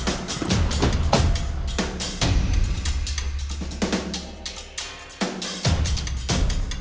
orang satu tidak bisa berusaha